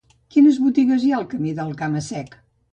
Quines botigues hi ha al camí del Cama-sec?